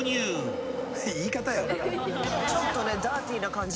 ちょっとね。